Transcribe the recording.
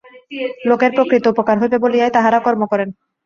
লোকের প্রকৃত উপকার হইবে বলিয়াই তাঁহারা কর্ম করেন।